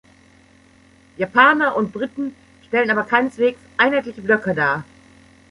Japaner und Briten stellen aber keineswegs einheitliche Blöcke dar.